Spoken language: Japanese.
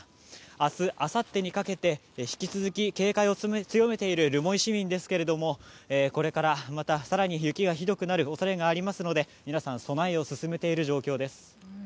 明日、あさってにかけて引き続き警戒を強めている留萌市民ですがこれからまた更に雪がひどくなる恐れがありますので皆さん備えを進めている状況です。